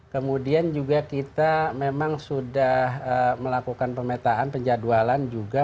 kemudian juga kita memang sudah melakukan pemetaan penjadwalan juga